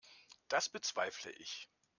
Das bezweifle ich.